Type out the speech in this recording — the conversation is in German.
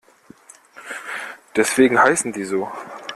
Deswegen heißen die so.